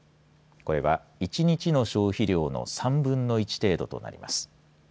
これは１日の消費量の３分の１程度となります。